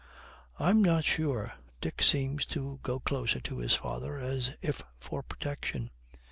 'I'm not sure.' Dick seems to go closer to his father, as if for protection.